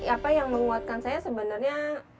apa yang menguatkan saya sebenarnya